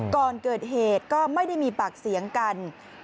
ก่อนเกิดเหตุก็ไม่ได้มีปากเสียงกัน